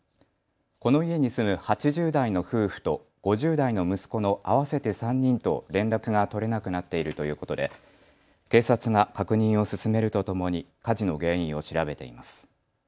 この家に住む８０代の夫婦と５０代の息子の合わせて３人と連絡が取れなくなっているということで警察が確認を進めるとともに火事の原因を調べています。